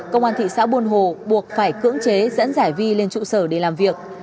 công an thị xã buôn hồ buộc phải cưỡng chế dẫn giải vi lên trụ sở để làm việc